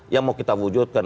yang mau kita wujudkan